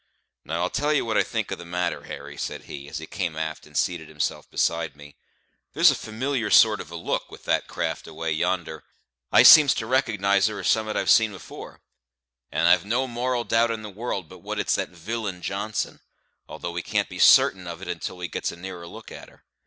"Now I'll tell ye what I think of the matter, Harry," said he, as he came aft and seated himself beside me. "There's a familiar sort of a look with that craft away yonder; I seems to recognise her as some'at I've seen afore; and I've no moral doubt in the world but what it's that villain Johnson, although we can't be sartain of it until we gets a nearer look at her.